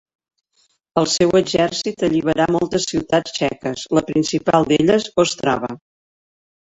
El seu exèrcit alliberà moltes ciutats txeques, la principal d'elles Ostrava.